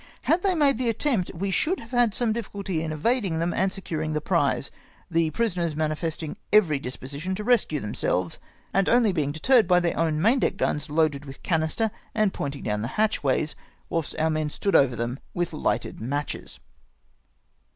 Had they made the attempt, we should have had some difficulty m evading them and securing the prize, the LETTER OF LOUD KEITH. 115 prisoners manifesting every disposition to rescue them selves, and only being deterred by their own main deck guns loaded with cannister, and pointing down the hatchways, whilst our men stood over them with lighted matches.